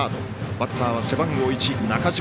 バッターは背番号１、中嶋。